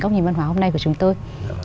góc nhìn văn hóa hôm nay của chúng tôi